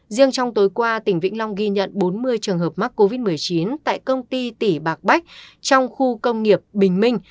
riêng trong tối qua tỉnh vĩnh long ghi nhận bốn mươi trường hợp mắc covid một mươi chín tại công ty tỉ bạc bách trong khu công nghiệp bình minh